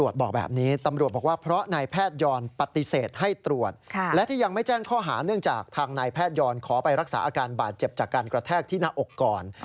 ใช่ครับส่วนที่ไม่ได้ตรวจแอลกอฮอล์